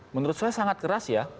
menurut saya sangat keras ya